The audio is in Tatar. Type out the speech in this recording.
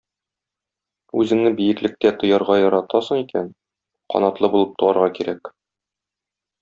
Үзеңне биеклектә тоярга яратасың икән, канатлы булып туарга кирәк.